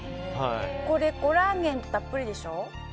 これ、コラーゲンたっぷりでしょ？